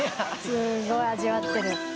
すごい味わってる。